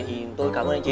thì tôi cảm ơn anh chị